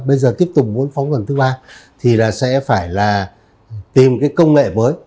bây giờ tiếp tục muốn phóng lần thứ ba thì là sẽ phải là tìm cái công nghệ mới